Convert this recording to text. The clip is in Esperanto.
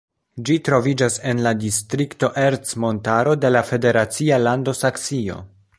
Ĝi troviĝas en la distrikto Ercmontaro de la federacia lando Saksio.